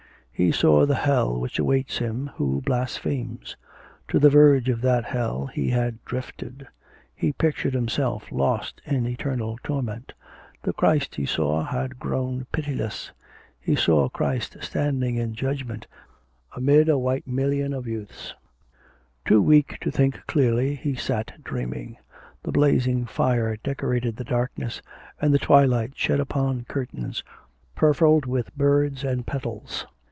He saw the Hell which awaits him who blasphemes. To the verge of that Hell he had drifted.... He pictured himself lost in eternal torment. The Christ he saw had grown pitiless. He saw Christ standing in judgment amid a white million of youths.... Too weak to think clearly, he sat dreaming. The blazing fire decorated the darkness, and the twilight shed upon curtains purfled with birds and petals.